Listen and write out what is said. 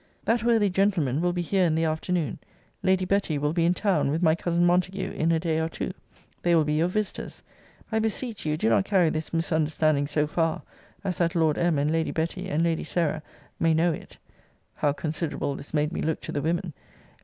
That worthy gentleman will be here in the afternoon; Lady Betty will be in town, with my cousin Montague, in a day or two. They will be your visiters. I beseech you do not carry this misunderstanding so far, as that Lord M. and Lady Betty, and Lady Sarah, may know it. [How considerable this made me look to the women!